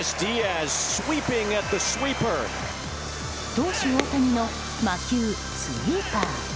投手・大谷の魔球、スイーパー。